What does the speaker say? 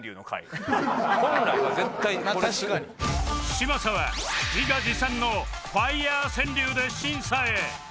嶋佐は自画自賛の ＦＩＲＥ 川柳で審査へ！